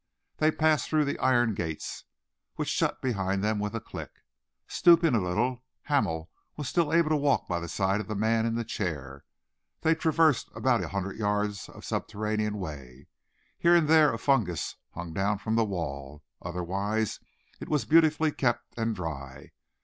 They passed through the iron gates, which shut behind them with a click. Stooping a little, Hamel was still able to walk by the side of the man in the chair. They traversed about a hundred yards of subterranean way. Here and there a fungus hung down from the wall, otherwise it was beautifully kept and dry.